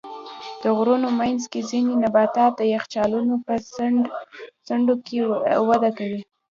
د غرونو منځ کې ځینې نباتات د یخچالونو په څنډو کې وده کوي.